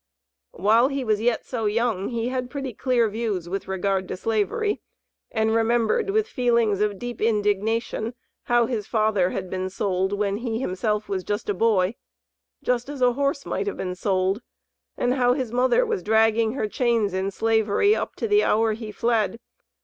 While he was yet so young, he had pretty clear views with regard to Slavery, and remembered with feelings of deep indignation, how his father had been sold when he himself was a boy, just as a horse might have been sold; and how his mother was dragging her chains in Slavery, up to the hour he fled.